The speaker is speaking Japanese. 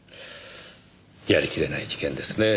やりきれない事件ですねぇ。